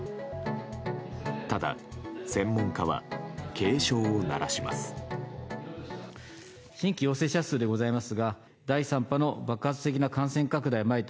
ただ、専門家は警鐘を鳴らします。